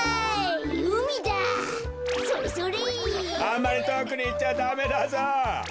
あんまりとおくにいっちゃダメだぞ。